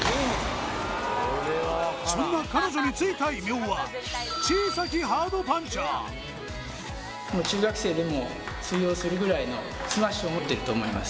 そんな彼女についた異名は中学生でも通用するぐらいのスマッシュを持ってると思います